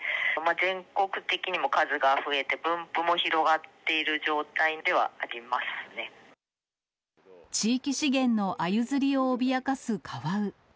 全国的にも数が増えて、分布も広地域資源のアユ釣りを脅かすカワウ。